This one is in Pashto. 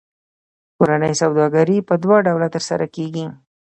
کورنۍ سوداګري په دوه ډوله ترسره کېږي